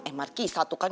eh marquisa tuh kan